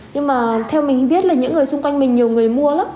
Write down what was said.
nhưng mà theo mình biết là những người xung quanh mình nhiều người mua lắm